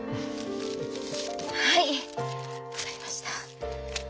はい分かりました。